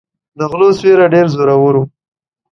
د غلو سیوری ډېر زورور و.